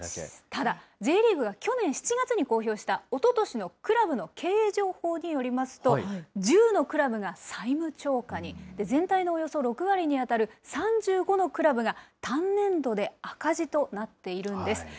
ただ、Ｊリーグが去年７月に公表した、おととしのクラブの経営情報によりますと、１０のクラブが債務超過に、全体のおよそ６割に当たる３５のクラブが単年度で赤字となっているんです。